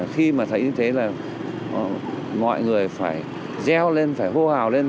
khi mà thấy như thế là mọi người phải gieo lên phải vô hào lên